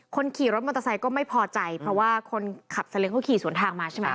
คนขี่รถมอเตอร์ไซค์ก็ไม่พอใจเพราะว่าคนขับซาเล้งเขาขี่สวนทางมาใช่ไหม